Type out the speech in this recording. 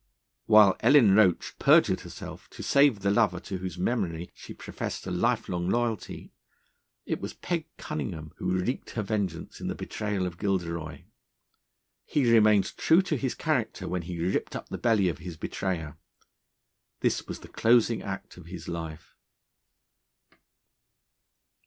While Ellen Roach perjured herself to save the lover, to whose memory she professed a lifelong loyalty, it was Peg Cunningham who wreaked her vengeance in the betrayal of Gilderoy. He remained true to his character, when he ripped up the belly of his betrayer. This was the closing act of his life.